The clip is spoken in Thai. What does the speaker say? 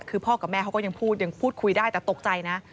คือพ่อกับแม่เขาก็ยังพูดยังพูดคุยได้แต่ตกใจนะ